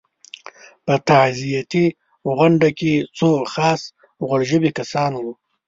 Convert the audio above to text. په تعزیتي غونډو کې څو خاص غوړ ژبي کسان وو.